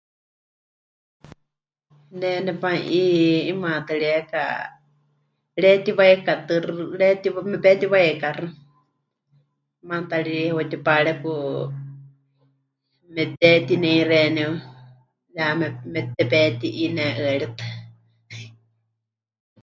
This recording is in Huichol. Ne nepanu'i 'imaatɨrieka mɨretiwaikátɨxɨ, mɨretiwa... mepetiwaikáxɨ, maana ta ri heutipaareku mepɨtehetinei xeeníu ya me... me... tepeti'i ne'ɨaritɨ.